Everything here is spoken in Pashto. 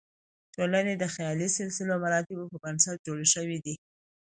ټولنې د خیالي سلسله مراتبو پر بنسټ جوړې شوې دي.